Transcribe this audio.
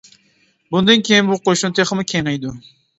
بۇندىن كېيىن بۇ قوشۇن تېخىمۇ كېڭىيىدۇ.